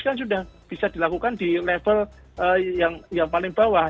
kan sudah bisa dilakukan di level yang paling bawah